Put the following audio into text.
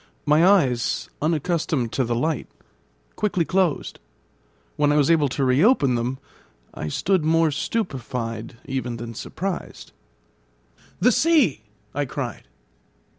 My eyes, unaccustomed to the light, quickly closed. When I was able to reopen them, I stood more stupefied even than surprised. "The sea!" I cried.